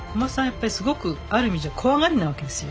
やっぱりすごくある意味じゃ怖がりなわけですよ。